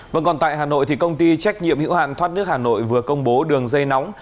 vâng còn tại hà nội thì công ty trách nhiệm hữu hạn thoát nước hà nội vừa công bố đường dây nóng